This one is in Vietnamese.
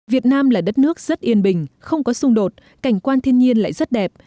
việt nam là đất nước rất yên bình không có xung đột cảnh quan thiên nhiên lại rất đẹp